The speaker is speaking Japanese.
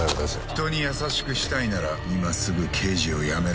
人に優しくしたいなら今すぐ刑事を辞めろ。